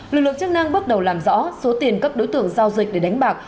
lực lượng chức năng bước đầu làm rõ số tiền các đối tượng giao dịch để đánh bạc